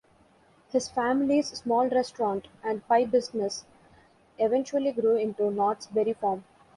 His family's small restaurant and pie business eventually grew into Knott's Berry Farm.